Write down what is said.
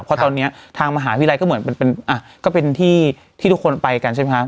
เพราะตอนนี้ทางมหาวิทยาลัยก็เป็นที่ทุกคนไปกันใช่ไหมคะ